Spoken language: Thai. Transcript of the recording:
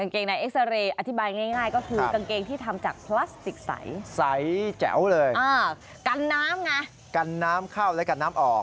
กันน้ำไงกันน้ำเข้าและกันน้ำออก